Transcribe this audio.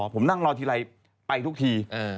คุณก็เลือกไปทุกที่